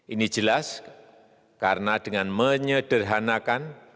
ini jelas karena dengan menyederhanakan